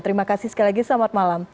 terima kasih sekali lagi selamat malam